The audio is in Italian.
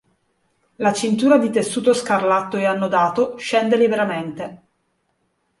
La cintura di tessuto scarlatto e annodato, scende liberamente.